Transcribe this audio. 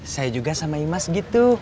saya juga sama imas gitu